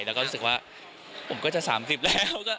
แล้วก็รู้สึกว่าผมก็จะ๓๐แล้ว